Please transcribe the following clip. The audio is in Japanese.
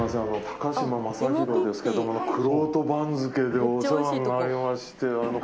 高嶋政宏ですけどもくろうと番付でお世話になりまして。